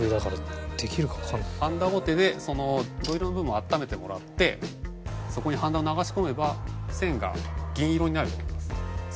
はんだごてでその銅色の部分を温めてもらってそこにはんだを流し込めば線が銀色になると思います銅色から。